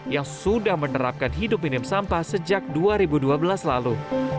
yang sudah menerapkan hidup minum sampah sejak dua ribu dua belas lalu